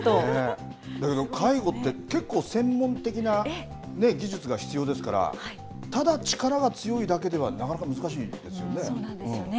だけど介護って、結構専門的な技術が必要ですから、ただ力が強いだけでは、そうなんですよね。